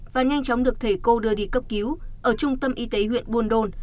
và nhanh chóng được thầy cô đưa đi cấp cứu ở trung tâm y tế huyện buôn đôn